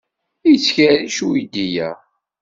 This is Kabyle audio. Yettkerric uydi-a?